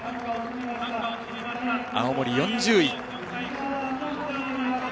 青森、４０位。